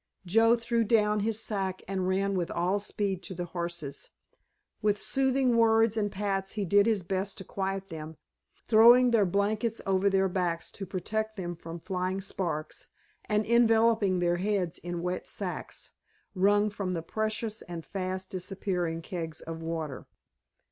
Joe threw down his sack and ran with all speed to the horses. With soothing words and pats he did his best to quiet them, throwing their blankets over their backs to protect them from flying sparks, and enveloping their heads in wet sacks, wrung from the precious and fast disappearing kegs of water.